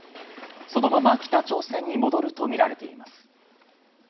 そのまま北朝鮮に戻るとみられています。